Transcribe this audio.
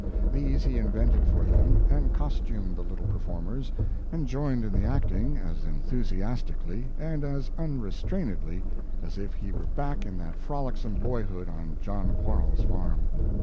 These he invented for them, and costumed the little performers, and joined in the acting as enthusiastically and as unrestrainedly as if he were back in that frolicsome boyhood on John Quarles's farm.